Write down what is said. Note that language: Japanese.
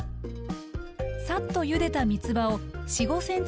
さっとゆでたみつばを４５ｃｍ